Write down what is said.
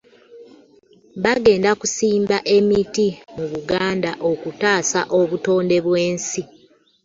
Bagenda kusimba emiti mu Buganda okutaasa obutonde bw'ensi